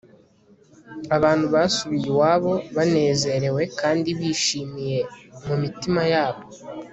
abantu basubiye iwabo banezerewe kandi bishimiye mu mitima yabo